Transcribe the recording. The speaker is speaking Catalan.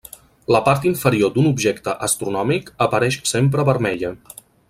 La part inferior d'un objecte astronòmic apareix sempre vermella.